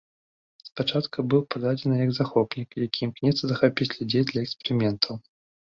Спачатку быў пададзены як захопнік, які імкнецца захапіць людзей для эксперыментаў.